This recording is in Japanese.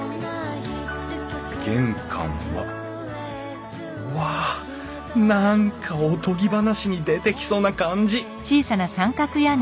玄関はわあ何かおとぎ話に出てきそうな感じ